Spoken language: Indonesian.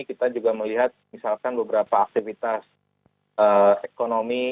kita juga melihat misalkan beberapa aktivitas ekonomi